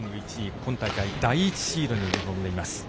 今大会第１シードに臨んでいます。